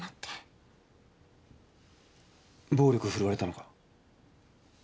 暴力振るわれたのか？